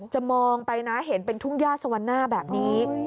จะมองไปนะเห็นเป็นทุ่งย่าสวรรณาแบบนี้